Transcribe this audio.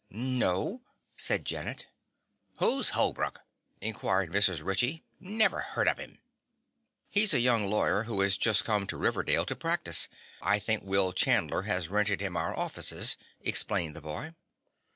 "No," said Janet. "Who's Holbrook?" inquired Mrs. Ritchie. "Never heard of him." "He is a young lawyer who has just come to Riverdale to practice. I think Will Chandler has rented him our offices," explained the boy.